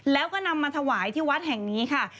แล้วก็นำมาถวายที่วัดแห่งนี้ค่ะ